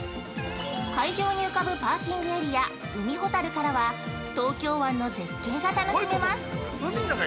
海上に浮かぶパーキングエリア海ほたるからは東京湾の絶景が楽しめます。